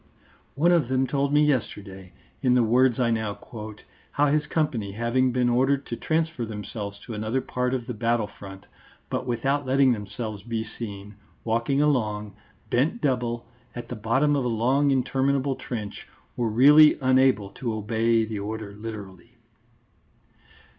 One of them told me yesterday, in the words I now quote, how his company having been ordered to transfer themselves to another part of the battle front but without letting themselves be seen, walking along, bent double, at the bottom of a long interminable trench were really unable to obey the order literally.